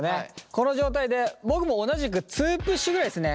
この状態で僕も同じく２プッシュぐらいですね。